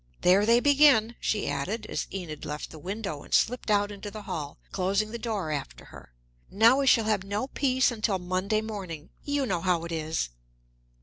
There they begin," she added, as Enid left the window and slipped out into the hall, closing the door after her. "Now we shall have no peace until Monday morning. You know how it is!"